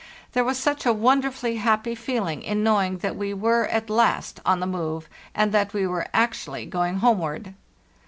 There was such a wonderfully happy feeling in knowing that we were, at last, on the move, and that we were actually going home ward.